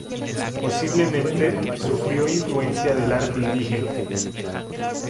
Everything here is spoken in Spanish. Posiblemente, sufrió influencia del arte indígena.